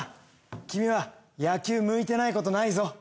君は野球向いてないことないぞ。